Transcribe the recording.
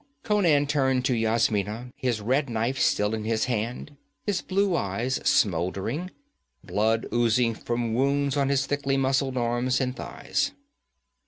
Conan turned to Yasmina, his red knife still in his hand, his blue eyes smoldering, blood oozing from wounds on his thickly muscled arms and thighs.